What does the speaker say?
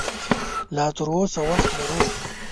لا تراوسه وخت لرو